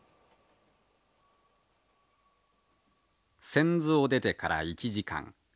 千頭を出てから１時間。